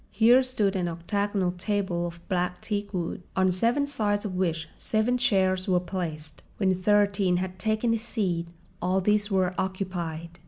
Here stood an octagonal table of black teakwood, on seven sides of which seven chairs were placed. When Thirteen had taken his seat all these were occupied.